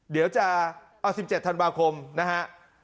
เดี๋ยวจะเอา๑๗ธันวาคมนะฮะ